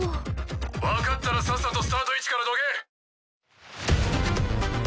分かったらさっさとスタート位置からどけ。